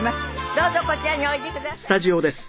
どうぞこちらにおいでくださいませ。